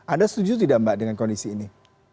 anda setuju tidak mbak dengan kondisi ini